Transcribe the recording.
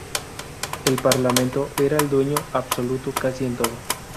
El parlamento era el dueño absoluto casi en todo.